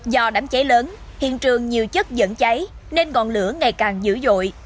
do đám cháy lớn hiện trường nhiều chất dẫn cháy nên ngọn lửa ngày càng dữ dội